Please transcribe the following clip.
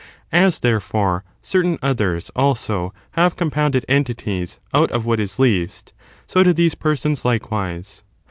As, therefore, certain others^ also, have compounded entities out of what is least, so do these persons likewise.